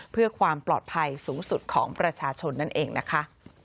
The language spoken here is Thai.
เพื่อความปลอดภัยสูงสุดของประชาชนนั่นเองนะคะ